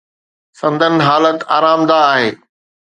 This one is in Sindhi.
سندن حالت آرامده آهي.